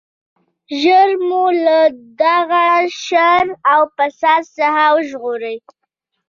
ژر مو له دغه شر او فساد څخه وژغورئ.